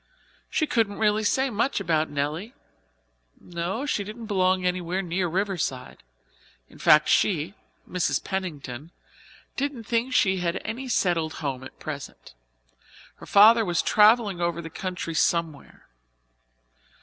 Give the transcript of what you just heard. She couldn't really say very much about Nelly. No, she didn't belong anywhere near Riverside. In fact, she Mrs. Pennington didn't think she had any settled home at present. Her father was travelling over the country somewhere.